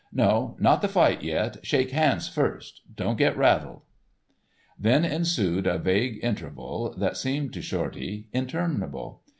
"No, not the fight yet, shake hands first. Don't get rattled." Then ensued a vague interval, that seemed to Shorty interminable.